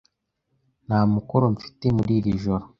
Nta mukoro mfite muri iri joro.